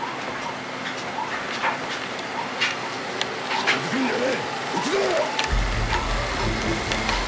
近づくんじゃねえ撃つぞ！